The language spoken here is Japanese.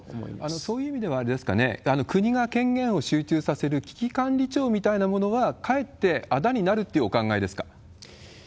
そういう意味ではあれですかね、国が権限を集中させる危機管理庁みたいなものは、かえってあだになるっていうお考えですか？